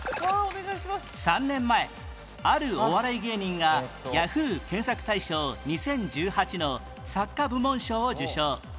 ３年前あるお笑い芸人が Ｙａｈｏｏ！ 検索大賞２０１８の作家部門賞を受賞